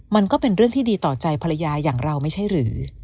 มันก็เป็นเรื่องที่ดีต่อใจภรรยาอย่างเราไม่ใช่หรือ